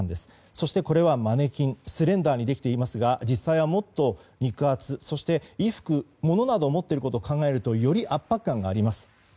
そして、これはマネキンスレンダーにできていますが実際はもっと肉厚、そして衣服、物などを持っていることを考えるとより圧迫感があります。